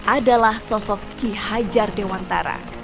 adalah sosok ki hajar dewantara